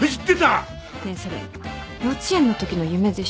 ねえそれ幼稚園のときの夢でしょ？